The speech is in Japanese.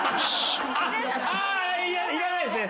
ああいらないですね。